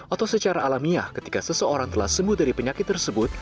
atau secara alamiah ketika seseorang telah sembuh dari penyakit tersebut